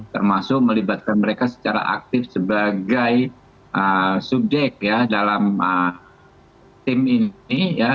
termasuk melibatkan mereka secara aktif sebagai subjek ya dalam tim ini